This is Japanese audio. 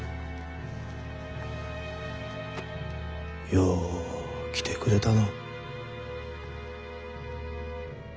よう来てくれたの。